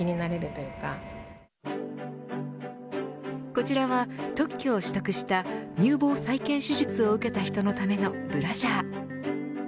こちらは特許を取得した乳房再建手術を受けた人のためのブラジャー。